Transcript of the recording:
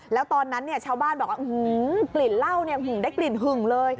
แล้วตอนนั้นชาวบ้านแบบกลิ่นเหล้าได้กลิ่นหึ่งเลย